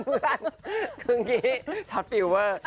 คืออย่างนี้ช็อตฟิลเวอร์